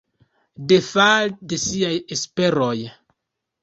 Defali de siaj esperoj.